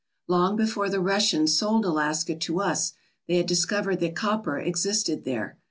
Long before the Russians sold Alaska to us, they had discovered that copper existed there.